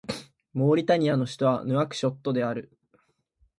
モーリタニアの首都はヌアクショットである